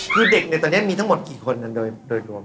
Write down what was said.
คือเด็กเนี่ยตอนเนี้ยมีทั้งหมดกี่คนนั้นโดยรวม